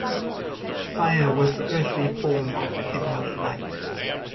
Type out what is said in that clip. Fire was the earthly form of the heavenly light.